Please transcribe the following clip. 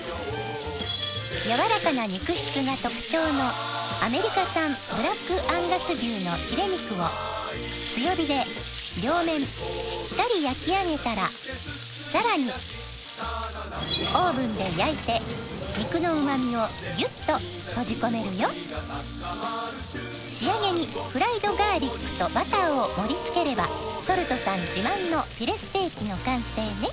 やわらかな肉質が特徴のアメリカ産ブラックアンガス牛のヒレ肉を強火で両面しっかり焼き上げたらさらにオーブンで焼いて肉の旨味をギュッと閉じ込めるよ仕上げにフライドガーリックとバターを盛り付ければＳａｌｔさん自慢のフィレステーキの完成ね！